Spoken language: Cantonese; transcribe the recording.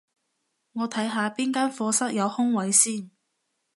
我睇下邊間課室有空位先